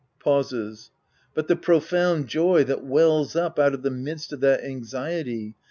{Pauses.) But the profound joy that wells up out of the midst of that anxiety